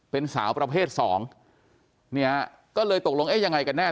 เป็นสาวประเภทสองเนี่ยก็เลยตกลงเอ๊ะยังไงกันแน่